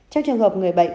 trong trường hợp người bệnh